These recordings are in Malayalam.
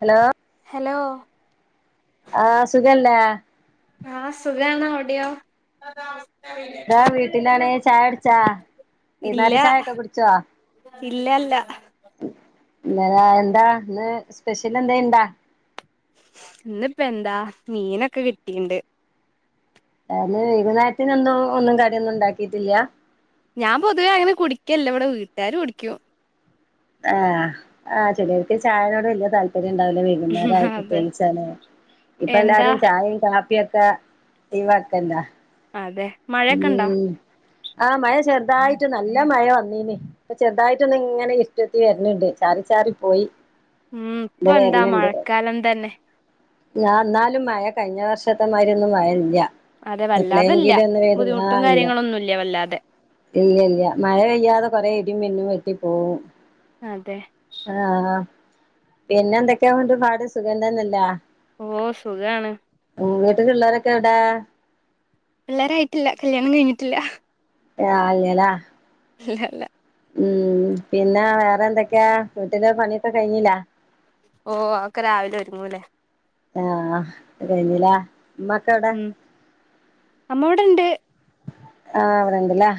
ഹലോ ഹലോ ആഹ് സുഖല്ലേ ആഹ സുഖാണ് അവിടെയോ താ വീട്ടിലാണ് ചായുട്ച്ചാ ഇല്ല വൈന്നാര ചായൊക്കെ കുട്ച്ചോ? ഇല്ലല്ല ഇന്നലാ എന്താ ഇന്ന് സ്പെഷ്യലെന്തെണ്ടാ? ഇന്ന്പ്പെന്താ മീനൊക്കെ കിട്ടീണ്ട്. ആഹ് ഇന്ന് വൈകുന്നേരത്തിനെന്തൂ ഒന്നും കട്യൊന്നുണ്ടാക്കീട്ടില്ല. ഞാം പൊതുവേ അങ്ങനെ കുടിക്കെല്ല ഇവടെ വീട്ടാര് കുടിക്കും. ആഹ് ആഹ് ചെലോല്ക്ക് ചായനോട് വെല്ല്യെ താല് പര്യണ്ടാവൂല വൈകുന്നേരായ അതെ പ്രത്യേകിച്ചാണ് എന്താ ഇപ്പൊല്ലാരും ചായിം കാ പ്പ്യക്കെ ഒയ് വക്കല്ലാ അതെ മഴയൊക്കെ ഇണ്ടോ ഉം ആഹ് മഴ ചെറ്തായിട്ട് നല്ല മഴ വെന്നീനി. ചെറ്തായിട്ടൊന്ന് ങ്ങനെ ഇ ര്ട്ടുത്തി വെര്ണ് ണ്ട് ചാറി ചാറി പോയി. ഉം ഇതാ പ്പെ ന്താ മഴക്കാലം തന്നെ. ഞാ ന്നാലും മയ കഴിഞ്ഞ വർഷത്തെമായ്‌ര്യൊന്നും മഴല്ല. അതെ വല്ലാതല്ല ബുദ്ധിമുട്ടും ആഹ് ഇല്ല കാര്യങ്ങള ഒന്നുംല്ല വല്ലാതെ ഇല്ല ഇല്ല മഴ പെയ്യാതെ കൊറെ ഇടി മിന്നും വെട്ടി പോവും അതെ ആ ഹ പിന്നെ എന്തൊക്കെയുണ്ട് പാട് സുഖംതന്നെയല്ലേ ഓ സുഖാണ് വീട്ടി ലു ള്ളോരൊക്കെ എവടെ പിള്ളേരായിട്ടില്ല കല്യാണം കഴിഞ്ഞിട്ടില്ല [unintelligible] അല്ലലാ ഇല്ല ല്ല ഉം പിന്നെ വേറെ എന്തെക്കെ വീട്ടിലെ പണിയൊക്കെ കഴിഞ്ഞില്ല ഓ അതൊക്കെ രാവിലെ ഒരുങ്ങൂലേ ആ കഴിഞ്ഞു ല്ലെഉമ്മക്കെ എവടെ ഉം അമ്മ ഇവിടെണ്ട് ആഹ് അവിടെണ്ടല്ലേ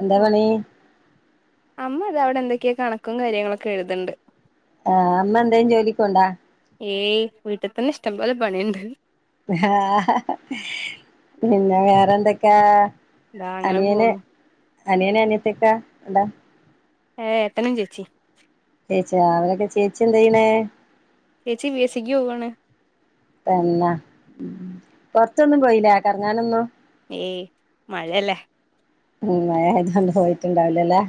എന്താ ഓ പണി അമ്മ അത അവിടെ എന്തൊക്കെയാ കണക്കും കാര്യങ്ങളൊക്കെ എഴുതുന്നുണ്ട് ആഹ് അമ്മ എന്തേലും ജോലിക്ക് പോണുണ്ടോ ഏയ് വീട്ടിൽ തന്നെ ഇഷ്ടം പോലെ പണിയുണ്ട് ആ ഹ ഹ പിന്നെ വേറെന്തെക്കെ ല്ലാ അങ്ങനെ പോണു അനിയന അനിയത്തിക്കാ ണ്ടാ ഏ ഏട്ടനും ചേച്ചി ചേച്ചാ അവളെക്കെ ചേച്ചി എന്ത് ചെയ്യണേ ചേച്ചി ബി. എ സിക്ക് പോവാണ് തന്ന മ് പുറത്തോന്നുംപോയില്ലെകറങ്ങാൻഒന്നും ഏയ് മഴയല്ലേ ഉം മഴആയത്കൊണ്ട്പോയിട്ട്ഇണ്ടാവില്ലല്ലേ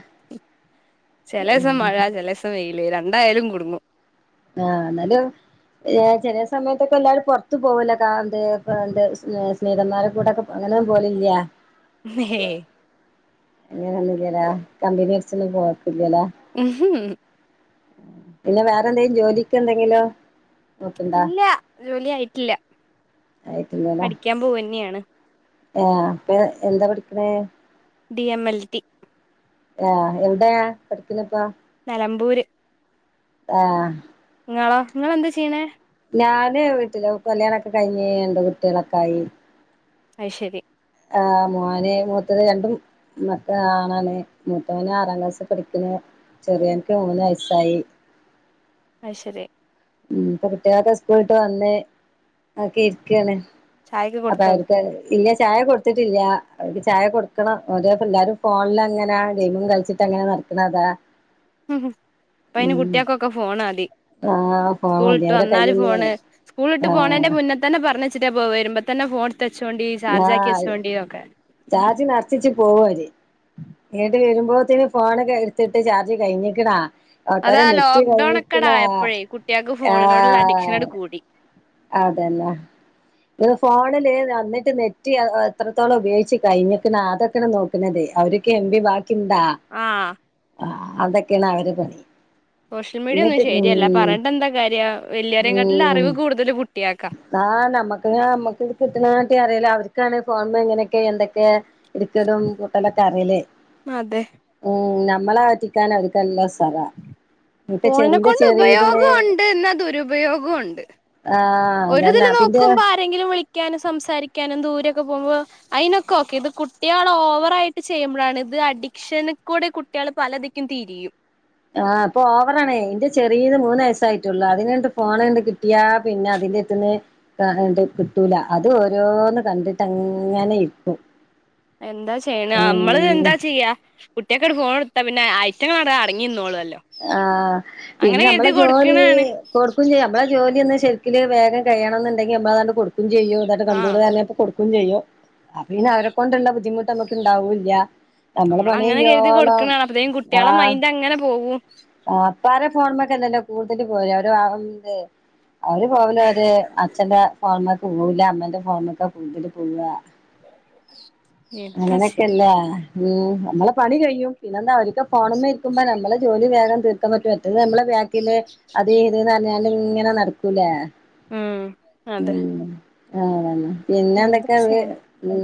ചെലസം മഴ ചെലസം വെയിൽ ലെ രണ്ടായാലുംകുടുങ്ങും ആന്നാലുംചെലസമയത്ത്ക്കെഎല്ലാരും പൊറത്ത്പോകുല്ലോ കാന്ത് കാന്ത് സ്നേ സ്നേഹിതാമാരോകൂടൊക്കെഅങ്ങനൊന്നുംപോകലില്ലാ [unintelligible] ഹേ അങ്ങനൊന്നല്ലല കമ്പിനിഅടിച്ചൊന്ന് പോ ഉംഹും [unintelligible] പിന്നെ വേറെന്തെങ്കും ജോലിക്ക് എന്തെങ്കിലോ ഇല്ല ജോലി ആയിട്ടില്ല പഠിക്കാൻ പോവന്നെയാണ്. ആ അപ്പെ എന്താ പിഠിക്കണേ ഡി എം എൽ ടി ആ എവിടെ പഠിക്കുന്നേ നെലമ്പൂര് ആഹ് നിങ്ങളോ നിങ്ങെളെന്ത് ചെയ്യണേ ഞാന് വീട്ടില് കല്യാണൊക്കെ കഴിഞ്ഞ് രണ്ട് കുട്ടികളൊക്കെ ആായി അയ് ശരി ആ മോന് മൂത്തത് രണ്ടും മക്കള് ആണാണ് മൂത്തവന ആറാം ക്ലാസ്സിൽ പഠിക്കുന്നു ചെറിയ വൻ- ക്ക് മൂന്ന് വയസായി. അത് ശരി ഉം പ്പൊ കുട്ട്യെളൊക്കെ സ്‌കൂൾട്ട് വന്ന് ഒക്കെര്ക്കാണ്. ചായൊക്കെ അപ്പൊ കൊടുത്തോ അവൾക്ക് അവര്ക്ക് ഇല്ല ചായ കൊട്ത്തിട്ടില്ല. അവര്ക്ക് ചായ കൊടുക്കണം ഒരോക്കെല്ലാരും ഫോണില ങ്ങനെ ഗെയിമും കളിച്ചിട്ടങ്ങനെ നടക്ക്ണതാ. ഉം ഹ് ഇപ്പയ്ന് കുട്ട്യെക്കൊക്കെ ഫോണതി. ആ ഫോൺ മതി സ്കൂളിട്ട് അവരെ വന്നാല് കയ്യിന്ന് പോണേ സ്കൂളിട്ട് ആ പോണേന്റെ മുന്നെ തന്നെ പറഞ്ഞിട്ട് പോ വരുമ്പോ തന്നെ ഫോ മുത്തച്ചോണ്ടി ആ ചാർജ ആക്കി വച്ചോണ്ടി ഒക്കെ പോവര് വീണ്ട വരുമ്പോത്തന് ഫോണൊക്കെ എടുത്തിട്ട് ചാർജ് കഴിഞ്ഞിക്കണ. അതാ ലോക്‌ഡോന് ഒക്കെടായപ്പോഴേ കുട്ടികൾക്ക് ഫോണിനോടുള്ള അഡിക്ഷനു എടുകൂടി. അതെല്ല ഇടെ ഫോണില് എവിടേക്ക് നെറ്റ്എത്രത്തോളം ഉപയോഗിച് കഴിഞ്ഞേക്കണ് അതെക്കെയാണ് നോക്കുന്നത് അവരെക്ക് എം പി കിന്താ ആഹ് ആഹ് അതൊക്കെയാണ് അവരെ പണി. സോഷ്യൽ മീഡിയ ഒന്നും എന്നിട്ട് ശരിയല്ല ഉം പറഞ്ഞിണ്ട എന്താ കാര്യം വല്യാരെ കാട്ടിലെ ഉം അറിവ് കൂടുതല്കു ആഹ് നമ്മക്ക് നമ്മക്ക് ഇത് കിട്ടണട്ടി അറിയില്ല അവർ താണ് ഫോൺപേ ഇങ്ങനെയൊക്കെ എന്തൊക്കെ എടുക്കതും കൂട്ടലൊക്കെ അറിയില്ലേ അതെ ഉം നമ്മളെ പറ്റിക്കാൻ അടുക്കല്ല ഫോണിനെ കൊണ്ട് ചെറിയ ഇതിന് ഉപയോഗം ഉണ്ടന്നാ അ ദുരുപയോഗവും ഉണ്ട് ആഹ് അതന്നെ ഒരുതില് അപ്പിന്റെ നോക്കുമ്പോ ആരെങ്കിലും വിളിക്കാനും സംസാരിക്കാനും ദൂരൊക്കെ പോകുമ്പോ അതിനൊക്കെ ഓക്കെ ഇത് കുട്ടികൾ ഓവറ ആയിട്ട് ചെയ്യുമ്പോഴാണ് ഇത് അഡിക്ഷന കൂടെ കുട്ടികൾ പലതിക്കും തിരിയും ആഹ് ഇപ്പൊ ഓവറാണേ ഇന്റെ ചെറീത് മൂന്നയസ്സായിട്ടുള്ളു അതിന്ണ്ട് ഫോണ് ണ്ട് കിട്ടിയാ പിന്നെ അതിന്റര്ത്ത്ന്ന് ആഹ് കിട്ടൂല അത് ഓരോന്ന് കണ്ടിട്ടങ്ങനെ ഇര്ക്കും എന്താ ചെയ്യണ് നമ്മള് എന്താ ചെയ്യാ കുട്ട്യാക്കാണ്ട് ഫോണൊടുത്താ പിന്നെ ഐറ്റങ്ങളവിടെ അടങ്ങി നിന്നോളൊല്ലോ ആഹ് പിന്നെ നമ്മളെ ജോലീ കൊടുക്കണാണ് കൊടുക്കും ചെയ്യും നമ്മളെ ജോലിയൊന്ന് ശരി ക്ക്ല് വേഗം കയ്യണെന്നുണ്ടെങ്കില് നമ്മളതാണ്ട് കൊടു ക്കും ചെയ്യോ ഇതാട്ടെ ആഹ് കണ്ടുകൂണ്ട് തന്നെപ്പോ കൊടുക്കും ചെയ്യും അ പിന്നെ അവരെ കൊണ്ടുള്ള ബുദ്ധിമുട്ട് നമ്മക്ക് ഇണ്ടാവൂല്ല്യ നമ്മളങ്ങനെ കരുതി കൊടുക്കുന്നതാണ് അപത്തേക്കും കുട്ട്യാളെ മൈന്റങ്ങനെ പോകും വും പ്പാരെ ഫോണ് മക്കെല്ലല്ലോ കൂടുതല് പോരാ അവര് [unintelligible] അവര് പോവല് അതെ അച്ഛന്റെ ഫോൺമക്ക് പോവൂല്ല അമ്മേ്ന്റെ ഫോൺമൊക്കെ കൂടുതൽ പോവ എന്താ ചെയ്യ അങ്ങനൊക്കെല്ല ഉം നമ്മളെ പണി കഴിയും പിന്നെന്താ അവർക്കെ പോണമ്മേ ഇരിക്കുമ്പോ നമ്മള് ജോലി വേഗം തീർക്കാൻ പറ്റോ നമ്മ അത ത ഇങ്ങനെ നടക്കൂലേ ഉം അതെ ആതന്നെ പിന്നെ എന്താ എന്തൊക്കെ അത് ചെയ്യണ് ഉ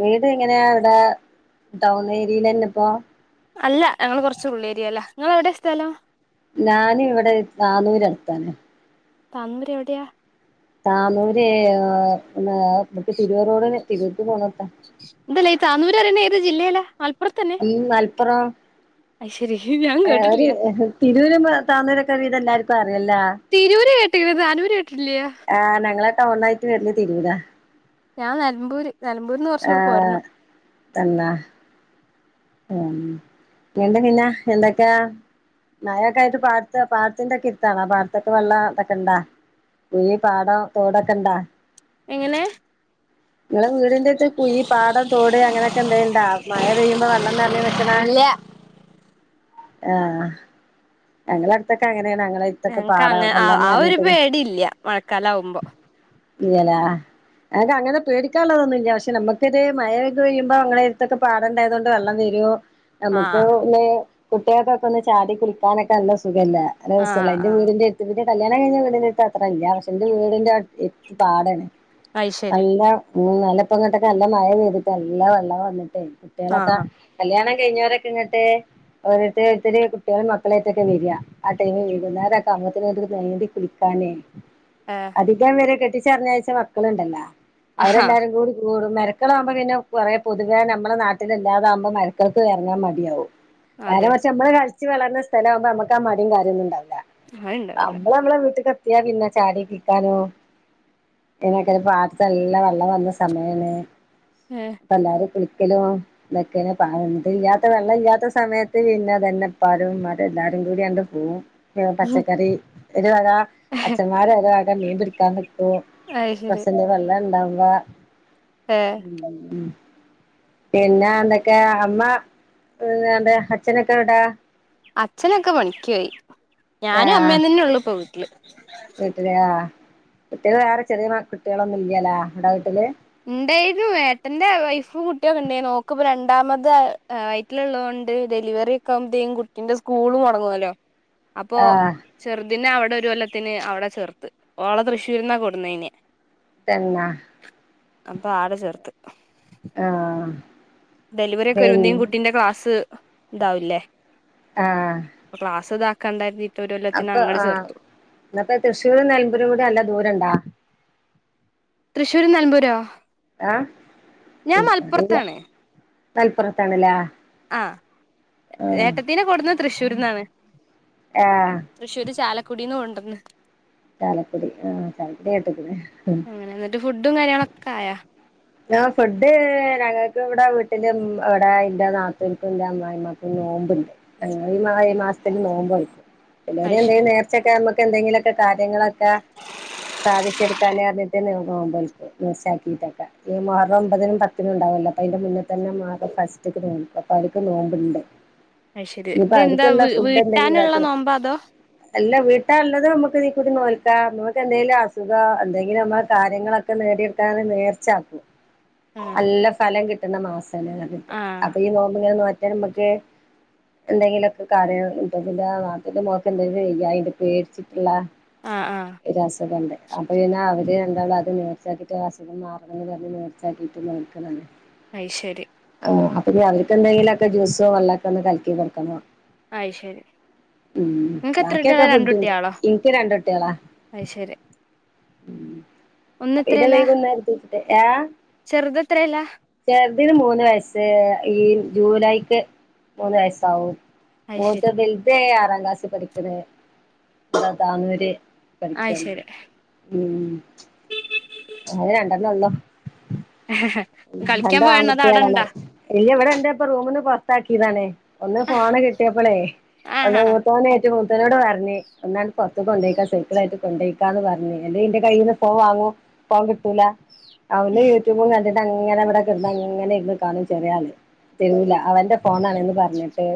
വീട് എങ്ങനെയാ ഇവിടെ ടൗൺ ഏരിയൽ തന്നെ ഇപ്പോ അല്ല ഞങ്ങള് കൊറച്ച് ഉള്ളേരിയലാ നിങ്ങൾ എവിടെയാ സ്ഥലം ഞാനും ഇവിടെ നാന്നൂര് അടുത്താനെ തന്മുര എവിടെയാ താനൂര് മ തിരുവറോട് തിരുവക്ക് പോണത്ത ഇന്തല്ല താനൂരറനെ ഏത് ജില്ലയല്ലാ ആലപ്പുറത്തന്നെ അപ്പറം ഏ ഒരു കേട്ടിട്ടില്ല തിരുവൂരമ്പ തന്നൂരൊക്കെ വീടെല്ല എല്ലാവർക്കുമറിയാം അതല്ല ഏതാലൂലെ ആഹ് ഞങ്ങളെ ടൗണായിട് വർനെ തിരൂര ഞാൻ നിലമ്പൂര് നിലമ്പൂരിന്ന് കുറച്ചുകൂടെ ആഹ പോരണം തന്നെ ഉ ഇണ്ട് പിന്നെ എന്തൊക്കെ മഴോക്കായിട്ട് പാടത്തെ പാടത്തിൻ്റക്കെ എട്ത്താണാ പാടത്തൊക്കെ വെള്ളം തൊക്കെ ഇണ്ടാ കുഴി പാടം തോടൊക്കെ ഇണ്ടാ എങ്ങനെ നിങ്ങളെ വീടിന്റെട്ത് കുയി പാടം തോട് അങ്ങനെയൊക്കെ ന്തേണ്ടാ മഴ പെയ്യുമ്പോ വള്ള - ള്ളറഞ് നിക്ക്‌ണേ ഇല്ല ആഹ ഞങ്ങള ടുത്തൊക്കങ്ങെനെ ഞങ്ങക്ക് അങ്ങനെ അ ആ ഒരു പേടി ഇല്ല്യ മഴക്കാലാവുമ്പോ ഇല്ലലേ ഞങ്ങക്ക് അങ്ങനെ പേടിക്കാനുള്ളതൊന്നുല്ല പക്ഷെ നമുക്കത് മഴൊക്കെ പെയ്യുമ്പോ ങ്ങളെ എടുത്തൊക്കെ പാടണ്ടായതൊണ്ട് വെള്ളം വരോ നമുക്ക് ആഹ് ന്നെ കുട്ട്യാകൊക്കൊന്ന് ചാടി കുളിക്ക പാണക്ക നല്ല സു ല്ല ആഹ് രസല്ലാന്റെ ആഹ് വീടിന്റെ എടുത്ത് കൂട്യ കല്യാണം കഴിഞ്ഞ വീടിന്റെത്ത് അത്ര ഇല്ല പക്ഷെ എന്റെ വീടിൻന്റെ എട്ത് പാടാണ് അയ്ശരി അല്ലാം ഉ നല്ല ഇപ്പോങ്ങട്ടൊക്കെല്ല മഴ പൈതിട്ടെ നല്ല വെള്ളം വന്നിട്ടേ കുട്ട്യാളൊക്കെ ആഹ് കല്യാണം കഴിഞ്ഞോറൊക്കെ ഇങ്ങിട്ടെ ഒരോർ താരോർ തർ കുട്ടികളേം മ - ക്ലേറ്റൊക്കെ വര്യ ആടൈമ ന് വൈകുന്നേരക്കാവുംബോതിന് ങ്ട്ട് നീന്തി കുളിക്കാന് അതിക്കാ വരെ കെട്ടി ഇജാർ ഞ്ഞാഴ്ച മക്കളുണ്ടല്ലോ ആഹ് അവരെല്ലാരും കൂടി കൂടും മരക്കളാവു മ്പോ പിന്നെ കൊറെേ പൊതുവേ നമ്മളെ നാട്ടില ഇല്ലാതാകുമ്പോ മരക്കൾക്ക് എറങ്ങാ മടിയാവും നേരെ അതെ മർച് മ്മളെ കാല- ളിച് വളർന്ന സ്ഥലാ വുംമ്പ അമ്മക്കാ മടിം കാര്യോന്നുണ്ടാവൂല അത് ഇണ്ടാവില്ല നമ്മള നമ്മളെ വീട്ടക്ക കത്തിയാ പിന്നെ ചാടി കിക്കാനോ ഇനക്ക പാട്ടത്തെ എല്ല വെള്ളം വന്ന സമയല്ലേ അപ്പൊ ല്ലാരും കുളി ലും മെക്കല പ ഇല്ലാത്ത വെള്ളം ഇല്ലാത്ത സമയത്ത് പിന്നെ തന്നെ പാരും എല്ലാരും കൂടി അണ്ട് പോവും യോം പച്ച ഏഹ് കറി താ അഛന്മാര് ഏതാ നീന്ത ട് കാന്ന് അത് ശരി പ്ര്സന്റെ പളെണ്ടാവും വ ഏഹ് ഉ പിന്നെ എന്തൊക്കെ അമ്മ എന്താ അച്ഛനൊക്കെ എടാ അച്ഛനൊക്കെ പണിക്കോയി ഞാനും അമ്മേ ആഹ് തന്നെ ഉള്ളൂ പോ ട്ടില് വീട്ടില് ആ വിട്ടില് വേറെ ചെറിയ കുട്ടികളൊന്നും ഇല്ലല്ലോ ടെ വീട്ടില് ണ്ടായ്നു ഏട്ടന്റെ വൈഫും കുട്ടിയൊക്കെ ണ്ടേയ്നു ഓക്ക്പ്പോ രണ്ടാമത് വൈറ്റിലള്ളതൊണ്ട് ഡെലിവറി ഒക്കെ ആകുമ്പോത്തേ ക്കുംകുട്ടീന്റെ സ്കൂൾ മൊടങ്ങുവല്ലോ അപ്പൊ ആഹ് ചെറുദിന അവി ഇവിടെ ഒരു കൊല്ലത്തിന് അവിടെ ചേർത്ത് ഓളെ തൃ്ശൂരുന്നാ കൊട് ന്നീനെ തന്ന അപ്പൊ ആടെ ചേർത്ത് ആഹ ഡെലിവറി ഒക്കെ ഒരത്തിം കുട്ടീന്റെ ക്ലാസ് ഇതാവില്ലേ ആഹ് ക്ലാസ് ദാ കണ്ടായിരിതി അപ്പൊ ആഹ ഇപ്പോ തൃശ്ശൂർും നിലമ്പുരും കൂടി നല്ല ദൂരംണ്ടാ തൃശ്ശൂർ നലൽമ്പൂരോ ആഹ് ഞാൻ എനിക്കറിയില്ല മലപ്പുറത്താണ് മലപ്പുറത്താണല്ലേ ആ ആഹ് ഏട്ടത്തീനെ കൊടുന്ന് തൃശ്ശൂർന്നാണ് ആഹ് തൃശ്ശൂര് ചാല കുടീന്ന് കൊണ്ടന്ന് ചാലക്കുടി ആഹ ചാലക്കുടി കേട്ട് ക്ണ് കായ ഞാഫുഡ് ഞങ്ങൾക്കും ഇവിടെ വീട്ടില് എവിടെ എന്റെനാത്തൂൻക്കും എന്റെ അമ്മായിമ്മക്കും നോമ്പുണ്ട് ഞങ്ങ ഈ മാസത്തില്ൽ നോമ്പ് നോൽക്കു എല്ലാരും അയ്ശരി എന്തങ്കും നേർച്ചൊക്കെ എന്തെങ്കിലൊക്കെ കാര്യങ്ങളൊക്കെ സാധിച്ചെടുക്കാന് അർഞ്ഞിട്ട് നോ മ്പോൽ ക്കും നേർ യക്കിട്ട് ക്കെ മോഹറംഒമ്പതിനും പത്തിനും ഉണ്ടാവല്ലോ അപ്പൊ അന്റെ മുന്നേ തന്നെ മുഹറം ഫസ്റ്റ്ക്ക് നോക്കുംഅപ്പ അവക്ക് നോമ്പുണ്ട് അ് ശരി ഇനിയിപ്പോ ഇതെന്താ അവർക്കുള്ള ഫുഡ് എന്തെങ്കിലും വീട്ടാനുള്ള ആക്കണം നോമ്പോ അതോ അല്ല വീട്ടാ ഉള്ളത് നമുക്ക് തീക്കൂടി നോൽക്കാം നമുക്ക് എന്തെങ്കിലും അസുഖം എന്തെങ്കിലും നമ്മ കാര്യങ്ങളൊക്കെ നേടിയെടുക്കാ നേർച്ചും ആക്കും ആഹ് നല്ല ഫലം കി എന്താമാസം ആഹ് അപ്പൊ ഈ നോമ്പ് ഇങ്ങനെനോറ്റ പിന്നെനമക്ക് എന്തെങ്കിലൊക്കെ കാര്യങ്ങ മക്ക് എന്തെങ്കില ചെയ്യ ഇത് പേടിച്ചിട്ടുള്ള ആഹ് ആഹ് രാസഖണ്ട് അപ്പൊ പിന്നെ അവര് രണ്ടാളും അത് നേർച്ചാക്കിയിട്ട് അസുഖം മാറ അങ്ങനെ പറഞ്ഞ്നേർച്ചാക്കിയിട്ട് നിൽക്ക്ണതാ അയ് ശരി ആ അപ്പനി അപ്പോഅവർക്ക് എന്തെങ്കിലൊക്കെ ജ്യൂസോ വെമൊക്കെ ഒന്ന് കലക്കി കൊടുക്കണോ അയ്ശരി ഉ നിങ്ങക്ക് എത്ര കുട്ടികളാ ബാക്കിയൊക്കെ രണ്ട് ഫുഡ് കുട്ടികളോ ഇനിക്ക് രണ്ട് കുട്ടിളേ അയ്ശരി ഉം ഒന്ന് എത്രല്ലാ എട്ട്ഏ ചെറുത്‌ എത്രയല്ലാ ചെറു തിന്‌മൂന്ന് വയസ്സ് ഈ ജൂലൈക്ക് മൂന്ന് വയസാവും ഓത്ത അയ്ശരി മിൽത ആറാ എത്ര ക്ലാസ്സിൽപഠിക്കണ് താനൂർ ആത്ശരി ഉം കളിക്കാൻ പോയണോ അതോ രണ്ട്ആൺകുട്ടികളാണ് അവിടെണ്ടാ ഇല്ല ഇവിടെ എന്റെ ഇപ്പ റൂമിന് പുറ കൊണ്ടാക്കിയതാ ഒന്ന് ഫോണ് കിട്ടിയപ്പളേ ആഹ് ഒന്ന് ആഹ് മൂത്തേന് റ്റുമൂത്തനോട് പറഞ്ഞഞ് ഒന്നൻ പുറത്തു കൊണ്ടോയ്ക്കാം സർക്കിള ആട്ട കൊണ്ടോേക്കാന്ന് പറഞ്ഞഞ് എന്റെറെ ഇന്റെ കയ്യിൽ നിന്ന് പോ വാങ്ങോ ഇപ്പോകിട്ടൂല അവന് യൂട്യൂബ് എന്നി് അങ്ങനെ ഇവിടെക്കെ ഇന്ന് അങ്ങനെ ഇന്ന് കാണും ചെറിയ ആള് തരുവൂല അവന്റെ ഫോണാണന്ന് പറഞ്ഞിട്ട്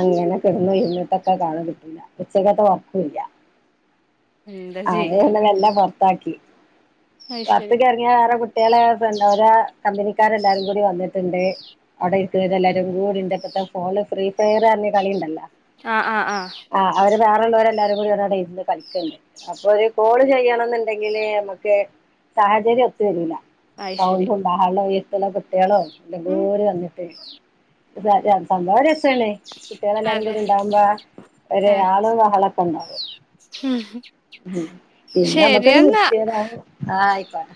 അങ്ങനെ കിടന്നു ഇരുന്നു ഇപ്പോഒക്കെകാ ണുണ്ട് ഉച്ചകത്തെ ഉറക്കല്ല എന്താ ചെയ്യാ അവന്ന വല്ല പറത്ത് താക്കി അയ്ശരി പുറത്ത്‌ക്ക്‌ ഇറങ്ങിയ വേറെകുട്ട കുട്ടികളെ ഫ്രണ്ട് അവര കമ്പനിക്കർ എല്ലാരും കൂടി വന്നിട്ടുണ്ട് അവിടെ ഇരിക്കുന്ന എല്ലാരും കൂടിണ്ട് ഇപ്പഴത്തെ ഫോണ് ഫ്രീ ഫയർഎന്ന് പറഞകളിണ്ടല്ലോ ആഹ് ആഹ് ആഹ് ആ അവര് വേറള്ളവരെല്ലാരും ഓല് അതാ അവിടെ ഇരുന്ന്കളിക്കണ്ട് അപ്പൊ ഒരു കോള് ചെയ്യണംന്നുണ്ടെങ്കില് നമ്മുക്ക് സാഹചര്യം ഒത്തു വരില്ല അയ്ശരി സൗണ്ട് ഉണ്ടാആളെ അല്ല കട്ടയാളോ എ ഉം ഗോര് വന്നിട്ട് അത സം കുട്ടികളെല്ലാരും അതെ കൂടി ഉണ്ടകുമ്പോ ഒ ആള വള കണട ഉം ശരി എന്നെന്നാ ആഹ ആയിക്കോണ